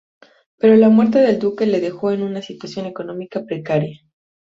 Pero la muerte del duque le dejó en una situación económica precaria.